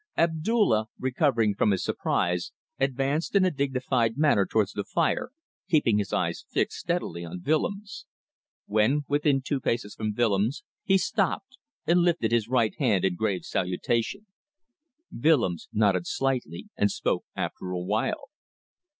Abdulla, recovering from his surprise, advanced in a dignified manner towards the fire, keeping his eyes fixed steadily on Willems. When within two paces from Willems he stopped and lifted his right hand in grave salutation. Willems nodded slightly and spoke after a while.